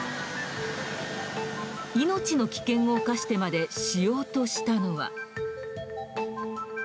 命の危険を犯してまでしようとしたのは。